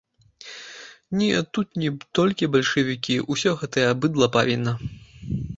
Не, тут не толькі бальшавікі, усё гэтае быдла павінна.